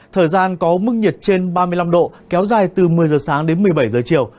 thời gian có mức nhiệt trên ba mươi năm độ kéo dài từ một mươi giờ sáng đến một mươi bảy giờ chiều